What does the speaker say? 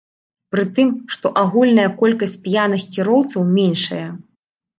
Пры тым, што агульная колькасць п'яных кіроўцаў меншае.